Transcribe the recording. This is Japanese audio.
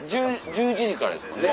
１１時からですもんね？